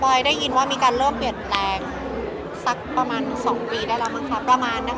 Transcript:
ปล่อยได้ยินว่ามีการเริ่มเปลี่ยนแปลงสักประมาณสองปีได้แล้วประมาณสองปีได้แล้ว